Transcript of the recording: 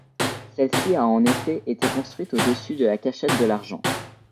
Celle-ci a en effet été construite au-dessus de la cachette de l'argent.